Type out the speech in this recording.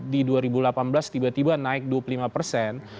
di dua ribu delapan belas tiba tiba naik dua puluh lima persen